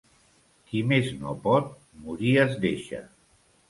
Qui més no pot, morir es deixa.